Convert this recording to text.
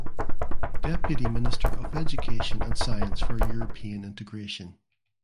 Deputy Minister of Education and Science for European Integration.